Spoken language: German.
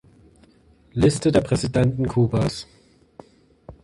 Liste der Präsidenten Kubas